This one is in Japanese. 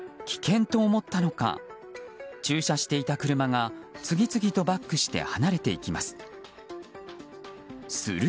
危険と思ったのか駐車していた車が次々とバックして離れていきます。